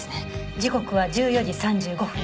時刻は１４時３５分。